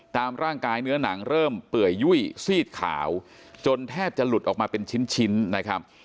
ตามร่างกายเนื้อหนังเริ่มเปื่อยยุ่ยซีดขาวจนแทบจะหลุดออกมาเป็นชิ้นนะครับ